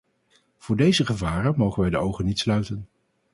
Voor deze gevaren mogen wij de ogen niet sluiten.